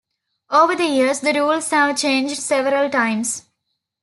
Over the years the rules have changed several times.